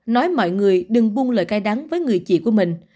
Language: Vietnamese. nói mọi người đừng buôn lời cay đắng với người chị của mình